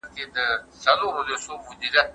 خپلواکي نعمت دی.